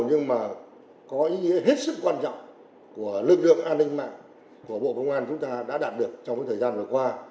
nhưng mà có ý nghĩa hết sức quan trọng của lực lượng an ninh mạng của bộ công an chúng ta đã đạt được trong thời gian vừa qua